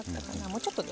もうちょっと。